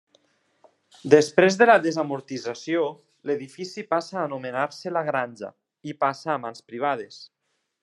Després de la desamortització, l'edifici passa a anomenar-se la Granja i passa a mans privades.